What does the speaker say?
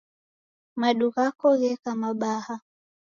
Madu ghako gheka mabaha